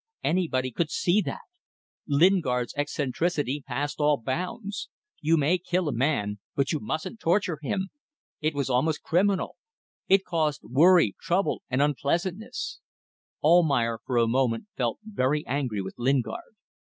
Anybody could see that. Lingard's eccentricity passed all bounds. You may kill a man, but you mustn't torture him. It was almost criminal. It caused worry, trouble, and unpleasantness. ... Almayer for a moment felt very angry with Lingard.